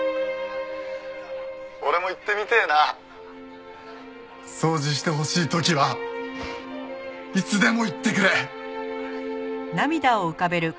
「俺も言ってみてえな」掃除してほしい時はいつでも言ってくれ！